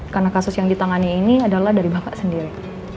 karena kasus yang ditangani ini adalah dari bapak sendiri